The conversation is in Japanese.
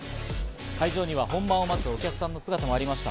会場には本番を待つお客さんの姿もありました。